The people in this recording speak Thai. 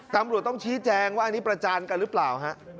ตำรวจต้องชี้แจงว่าอันนี้ประจานกันหรือเปล่าฮะ